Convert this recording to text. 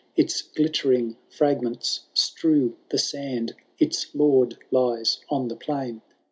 Its glittering fragments strew the sand, Its lord lies on the plain.